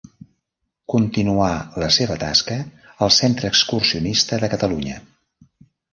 Continuà la seva tasca al Centre Excursionista de Catalunya.